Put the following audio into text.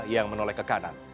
yang menoleh ke kanan